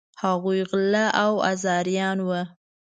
هغوی غله او آزاریان وه.